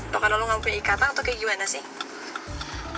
mungkin lo gak mau punya ikatan atau kayak gimana sih